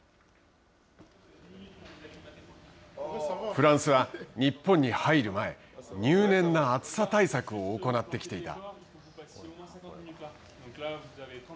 フランスは日本に入る前、入念な暑さ対策を行ってきていた。